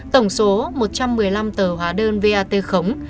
tổng số một trăm một mươi năm tờ hóa đơn vat khống